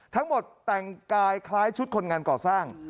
ทั้งหมดแต่งกายคล้ายชุดคนงานก่อสร้าง